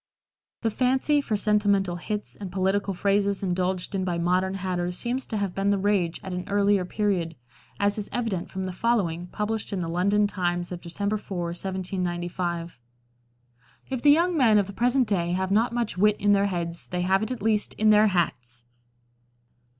The fancy for sentimental hits and political phrases indulged in by modern hatters seems to have been the rage at an earlier period, as is evident from the following, published in the London Times of December 4, 1795: "If the young men of the present day have not much wit in their heads they have it at least in their hats."